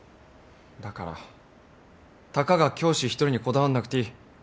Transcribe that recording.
だからたかが教師一人にこだわんなくていい。